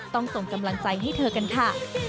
ส่งกำลังใจให้เธอกันค่ะ